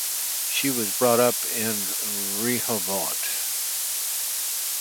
She was brought up in Rehovot.